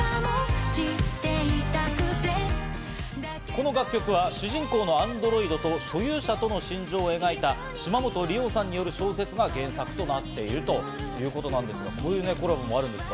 この楽曲は主人公のアンドロイドと所有者との心情を描いた島本理生さんによる小説が原作となっているということなんですが、こういうコラボもあるんです。